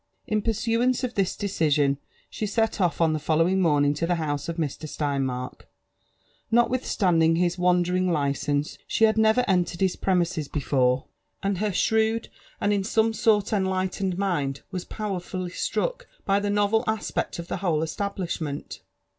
In pursuance of this decision she set off on the following morning for the house of Hr. Steinmark. Notwithstanding his wandering liceinse, she had never entered his premises before, and her shrewd. |t« UFI ANB ADVmTUnS Off and 10 fome sort eolighteoed mind, was powerfuHy ilrack by dif aavel aspect at the whole eatabliabiQent.